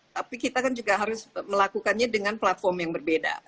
tapi kita kan juga harus melakukannya dengan platform yang berbeda